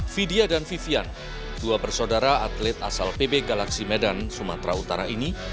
vidya dan vivian dua bersaudara atlet asal pb galaksi medan sumatera utara ini